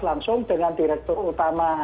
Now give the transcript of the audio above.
langsung dengan direktur utama